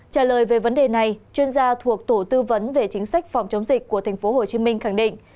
trả lời về vấn đề này chuyên gia thuộc tổ tư vấn về chính sách phòng chống dịch của tp hcm khẳng định